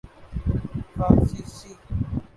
فرانسیسی